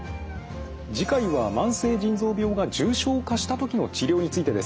次回は慢性腎臓病が重症化した時の治療についてです。